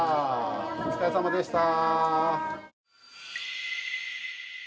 お疲れさまでした。